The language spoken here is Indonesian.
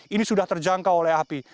ini sudah terjangkau oleh api